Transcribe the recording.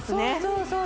そうそう